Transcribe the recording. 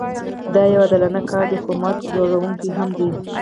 دا یو عادلانه کار دی خو مرګ ځورونکی هم دی